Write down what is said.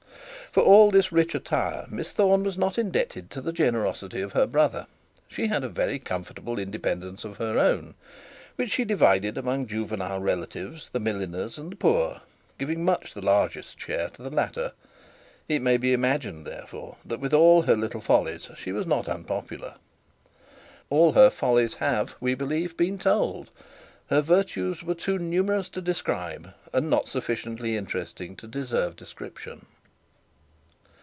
For all this rich attire Miss Thorne was not indebted to the generosity of her brother. She had a very comfortable independence of her own, which she divided among juvenile relatives, the milliners, and the poor, giving much the largest share to the latter. It may be imagined, therefore, that with all her little follies she was not unpopular. All her follies have, we believe, been told. Her virtues were too numerous to describe, and not sufficiently interesting to deserve description.